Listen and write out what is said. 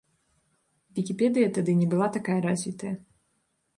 Вікіпедыя тады не была такая развітая.